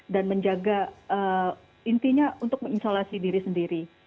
dan menjaga intinya untuk mengisolasi diri sendiri